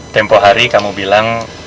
tempo hari kamu bilang